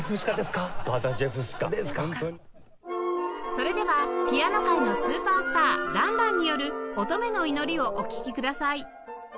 それではピアノ界のスーパースターラン・ランによる『乙女の祈り』をお聴きください